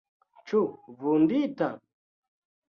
Ĉu vundita?